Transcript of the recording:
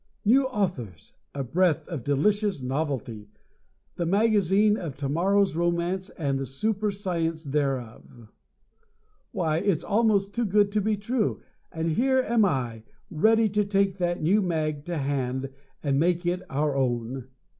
New authors! a breath of delicious novelty! the magazine of to morrow's romance and the super science thereof! Why, it's almost too good to be true, and here am I, ready to take that new mag to hand and make it our own.